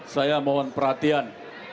saya mohon perhatian